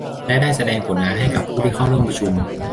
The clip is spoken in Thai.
และได้แสดงผลงานให้กับผู้ที่เข้าร่วมประชุม